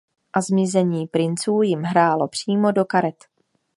A zmizení princů jim hrálo přímo do karet.